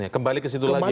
kembali ke situ lagi pak ya